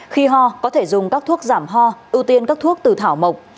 khi ho có thể dùng các thuốc giảm ho ưu tiên các thuốc từ thảo mộc